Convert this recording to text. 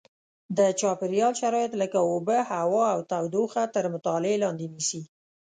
د چاپېریال شرایط لکه اوبه هوا او تودوخه تر مطالعې لاندې نیسي.